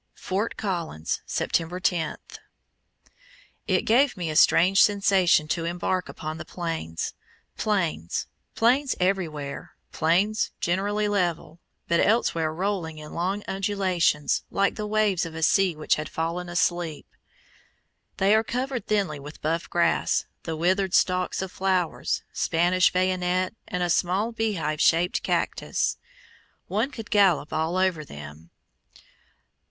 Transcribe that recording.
FORT COLLINS, September 10. It gave me a strange sensation to embark upon the Plains. Plains, plains everywhere, plains generally level, but elsewhere rolling in long undulations, like the waves of a sea which had fallen asleep. They are covered thinly with buff grass, the withered stalks of flowers, Spanish bayonet, and a small beehive shaped cactus. One could gallop all over them.